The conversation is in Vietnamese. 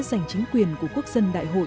giành chính quyền của quốc dân đại hội